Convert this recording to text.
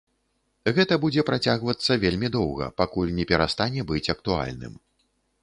Гэта будзе працягвацца вельмі доўга, пакуль не перастане быць актуальным.